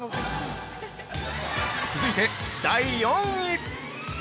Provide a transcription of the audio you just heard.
続いて、第４位。